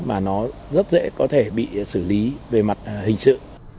mà nó rất dễ có thể bị xử lý về mặt hình sự